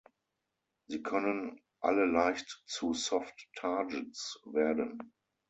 Sie können alle leicht zu "soft targets" werden.